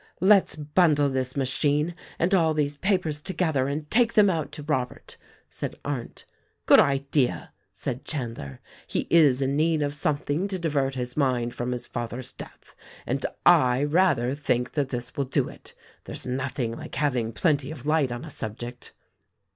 "Let's bundle this machine and all these papers together and take them out to Robert," said Arndt. "Good idea!" said Chandler. "He is in need of some thing to divert his mind from his father's death ; and I rather think that this will do it. There's nothing like having plenty of light on a subject."